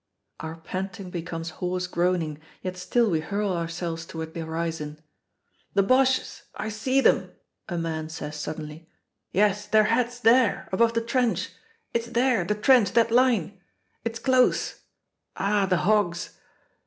Our panting becomes hoarse groaning, yet still we hurl ourselves toward the horizon. "The Boches! I see them!" a man says suddenly. "Yes their heads, there above the trench it's there, the trench, that line. It's close, Ah, the hogs!"